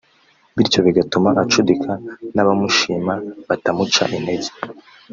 bityo bigatuma acudika n’abamushima batamuca intege